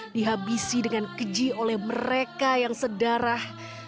dihabisi dengan keji oleh mereka yang sedarah